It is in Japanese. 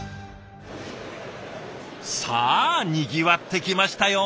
さあにぎわってきましたよ！